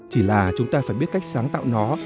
chỉ là chúng ta phải biết cách sáng tạo nó